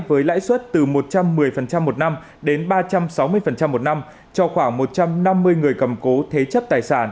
với lãi suất từ một trăm một mươi một năm đến ba trăm sáu mươi một năm cho khoảng một trăm năm mươi người cầm cố thế chấp tài sản